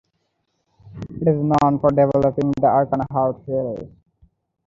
It is known for developing the "Arcana Heart" series.